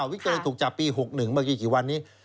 เคยถูกจับปี๖๑เมื่อกี้กี่วันนี้